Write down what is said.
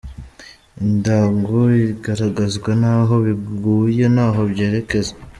Indagu igaragazwa n’aho biguye n’aho byerekeza.